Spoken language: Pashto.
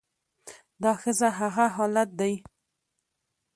دا ښځه هغه حالت دى